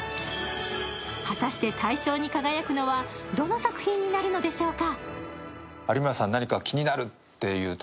果たして大賞に輝くのはどの作品になるのでしょうか。